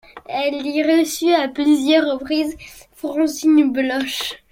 Elle y reçut à plusieurs reprises Francine Bloch.